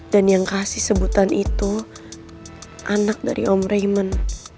dan yang kasih sebutan itu anak dari om raymond